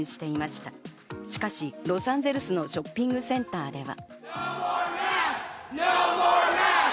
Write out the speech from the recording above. しかしロサンゼルスのショッピングセンターでは。